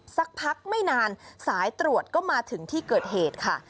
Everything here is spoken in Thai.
สักพักไม่นานสายตรวจก็มาถึงที่เกิดเหตุค่ะ